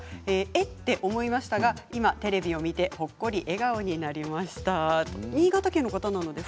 えっと思いましたが今テレビを見てほっこり笑顔になりましたということです。